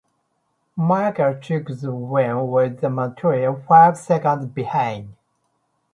Michael took the win with Montoya five seconds behind.